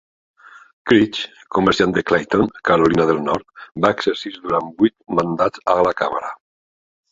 Creech, comerciant de Clayton, Carolina del Nord, va exercir durant vuit mandats a la càmera.